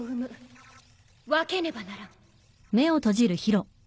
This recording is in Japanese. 分けねばならん。